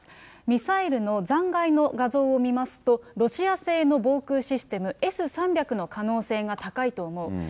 ミサイルの残骸の画像を見ますと、ロシア製の防空システム、Ｓー３００の可能性が高いと思う。